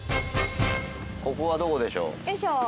ここはどこでしょう？